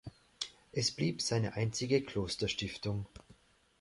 Es blieb seine einzige Klosterstiftung.